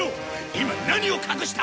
今何を隠した？